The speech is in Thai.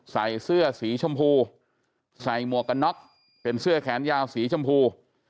ใส่เสื้อสีชมพูใส่หมวกกันน็อกเป็นเสื้อแขนยาวสีชมพู